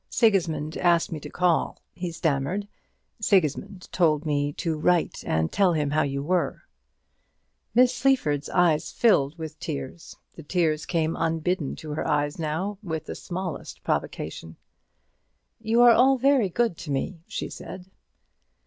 "Sigismund asked me to call," he stammered. "Sigismund told me to write and tell him how you were." Miss Sleaford's eyes filled with tears. The tears came unbidden to her eyes now with the smallest provocation. "You are all very good to me," she said.